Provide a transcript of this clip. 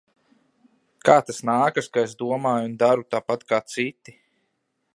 Kā tas nākas, ka es domāju un daru tāpat kā citi?